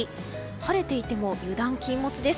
晴れていても油断禁物です。